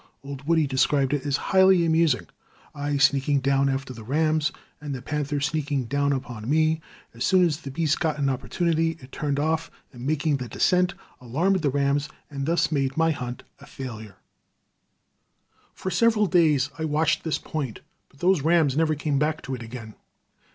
Old Woody described it as highly amusing I sneaking down after the rams, and the panther sneaking down upon me. As soon as the beast got an opportunity, it turned off, and, making the descent, alarmed the rams and thus made my hunt a failure. [Illustration: Stalking the Stalker. From Scribner's Magazine.] For several days I watched this point, but those rams never came back to it again.